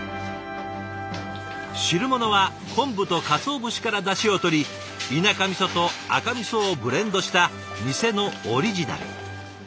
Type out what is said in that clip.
汁物は昆布とカツオ節からダシをとり田舎みそと赤みそをブレンドした店のオリジナル。